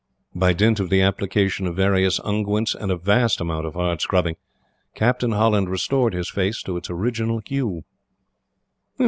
By dint of the application of various unguents, and a vast amount of hard scrubbing, Captain Holland restored his face to its original hue.